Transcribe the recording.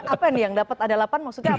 apa nih yang dapat ada lapan maksudnya apa ini